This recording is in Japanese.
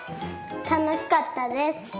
たのしかったです。